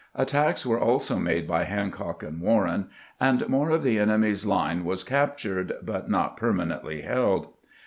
Attacks were also made by Hancock and Warren, and more of the enemy's line was captured, but not permanently held.